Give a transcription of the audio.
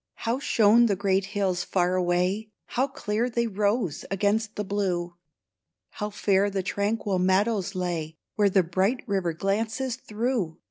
How shone the great hills far away ; How clear they rose against the blue ; How fair the tranquil meadows lay, Where the bright river glances through